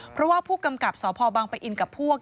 เพราะว่าผู้กำกับสพบังปะอินกับพวก